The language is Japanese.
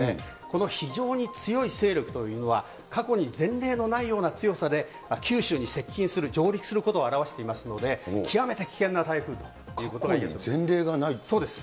この非常に強い勢力というのは、過去に前例のないような強さで、九州に接近する、上陸することを表していますので、極めて危険な台風ということがいえると思います。